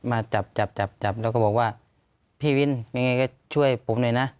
มาจับแล้วก็บอกว่าพี่วินยังไงก็ช่วยปุ๊บหน่อยนะ